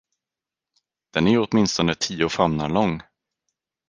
Den är ju åtminstone tio famnar lång.